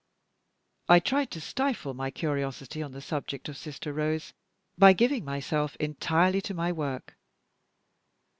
I tried to stifle my curiosity on the subject of Sister Rose, by giving myself entirely to my work.